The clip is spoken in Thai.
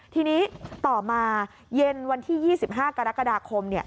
ทีนี้ต่อมาเย็นวันที่๒๕กรกฎาคม